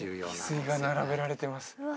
翡翠が並べられてます